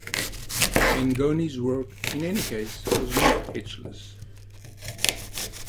Mengoni's work, in any case, was not hitchless.